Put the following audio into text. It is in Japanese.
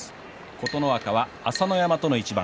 琴ノ若は朝乃山との一番。